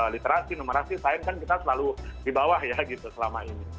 literasi numerasi sains kan kita selalu di bawah ya gitu selama ini